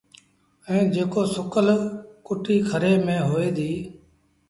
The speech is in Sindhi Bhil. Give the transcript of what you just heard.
ائيٚݩ جيڪو سُڪل ڪُٽيٚ کري ميݩ هوئي ديٚ۔